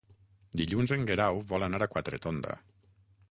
Dilluns en Guerau vol anar a Quatretonda.